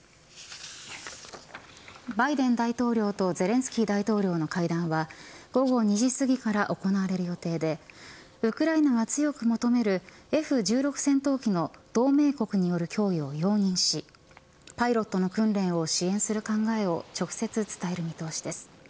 バイデン大統領とゼレンスキー大統領の会談は午後２時すぎから行われる予定でウクライナが強く求めるＦ−１６戦闘機の同盟国による供与を容認しパイロットの訓練を支援する考えを直接伝える見通しです。